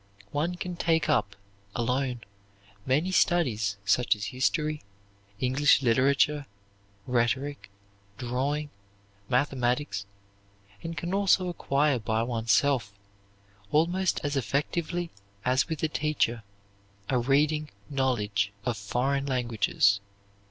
One can take up, alone, many studies, such as history, English literature, rhetoric, drawing, mathematics, and can also acquire by oneself, almost as effectively as with a teacher, a reading knowledge of foreign languages.